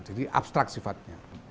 jadi abstrak sifatnya